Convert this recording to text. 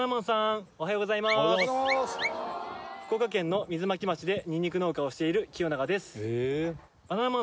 福岡県の水巻町でにんにく農家をしている清永です